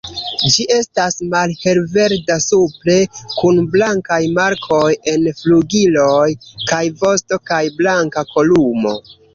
Ĝi estas malhelverda supre, kun blankaj markoj en flugiloj kaj vosto kaj blanka kolumo.